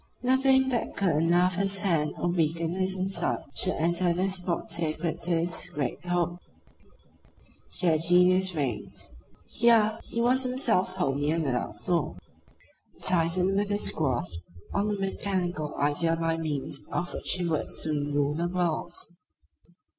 Nothing that could unnerve his hand or weaken his insight should enter this spot sacred to his great hope. Here genius reigned. Here he was himself wholly and without flaw; a Titan with his grasp on a mechanical idea by means of which he would soon rule the world.